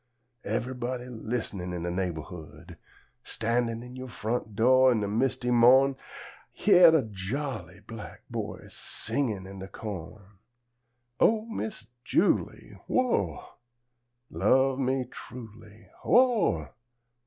Ever'body list'nin', In de neighborhood! Standin' in yo' front do' In de misty mo'n, Hyah de jolly black boy, Singin' in de co'n: "O Miss Julie, Who ah! Love me truly, Who ah!